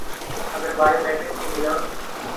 اگر bio matric کے بنا